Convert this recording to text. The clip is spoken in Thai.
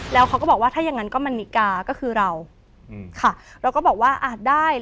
แล้วเขาก็บอกว่าถ้าอย่างนั้นก็มันนิกาก็คือเราค่ะเราก็บอกว่าอาจได้